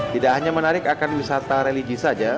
tidak hanya menarik akan wisata religi saja